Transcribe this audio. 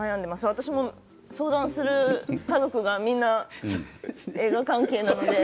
私も相談する家族が、みんな映画関係なので。